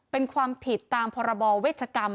เป็นความผิดตามพรบเวชกรรม